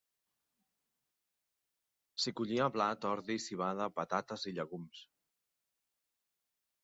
S'hi collia blat, ordi, civada, patates i llegums.